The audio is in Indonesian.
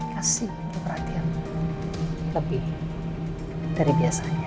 kasih perhatian lebih dari biasanya